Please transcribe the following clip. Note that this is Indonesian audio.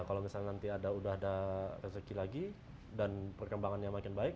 kalau misalnya nanti sudah ada rezeki lagi dan perkembangannya makin baik